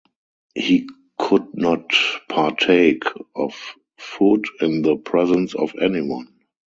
He could not partake of food in the presence of anyone.